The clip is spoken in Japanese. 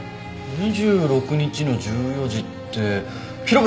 ２６日の１４時って広辺